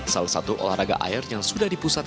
salah satu olahraga air yang sudah dipusat